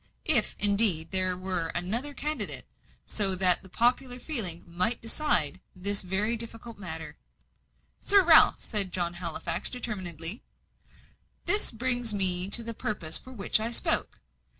If, indeed, there were another candidate, so that the popular feeling might decide this very difficult matter " "Sir Ralph," said John Halifax, determinedly, "this brings me to the purpose for which I spoke.